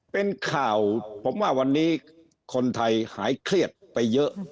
เป็นข่าวผมว่าวันนี้คนไทยหายเครียดไปเยอะ